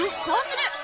こうする！